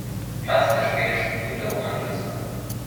Platz der schwedischen Elo-Rangliste.